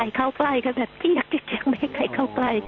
ใครเข้าไปเหี้ยกไม่ให้ใครเข้าไป